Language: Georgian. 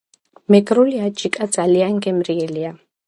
მეგრული აჯიკა ძალიან გემრიელია